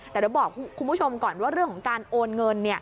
แต่เดี๋ยวบอกคุณผู้ชมก่อนว่าเรื่องของการโอนเงิน